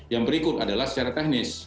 yang berikut adalah secara teknis